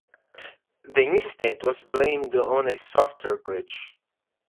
The incident was blamed on a software glitch.